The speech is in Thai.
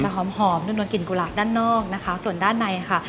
หอมหอมนวนกลิ่นกุหลาบด้านนอกนะคะส่วนด้านในค่ะ